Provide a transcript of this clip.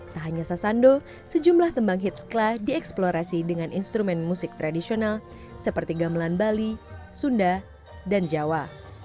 tak hanya sasando sejumlah tembang hitskla dieksplorasi dengan instrumen musik tradisional seperti gamelan bali sunda dan jawa